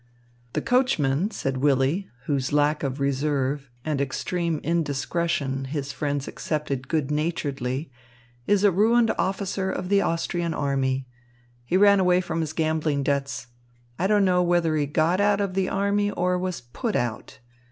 "The coachman," said Willy, whose lack of reserve and extreme indiscretion his friends accepted good naturedly, "is a ruined officer of the Austrian army. He ran away from his gambling debts. I don't know whether he got out of the army or was put out.